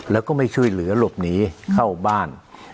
แล้วก็ไม่ช่วยเหลือหลบหนีเข้าบ้าน